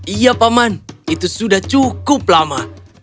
iya paman itu sudah cukup lama